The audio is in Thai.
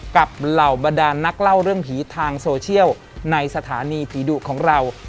เหล่าบรรดานนักเล่าเรื่องผีทางโซเชียลในสถานีผีดุของเรา